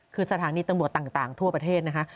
คือสถานีตำรวจต่างทั่วประเทศนะคะ